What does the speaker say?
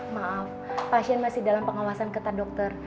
maaf pasien masih dalam pengawasan ketat dokter